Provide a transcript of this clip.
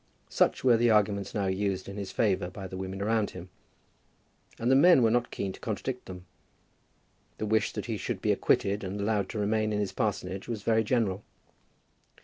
Such were the arguments now used in his favour by the women around him; and the men were not keen to contradict them. The wish that he should be acquitted and allowed to remain in his parsonage was very general.